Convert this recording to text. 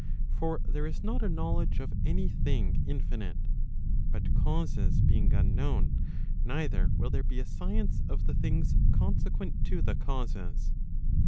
For there is not a knowledge of any thing infinite. But causes being unknown, neither will there be a science of the things consequent to the causes.